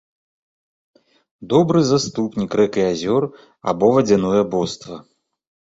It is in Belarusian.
Добры заступнік рэк і азёр або вадзяное боства.